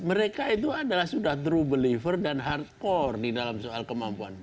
mereka itu adalah sudah true believer dan hardcore di dalam soal kemampuan